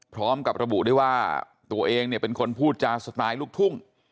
พร้อมกับระบุด้วยว่าตัวเองเนี่ยเป็นคนพูดจาสไตล์ลูกทุ่ง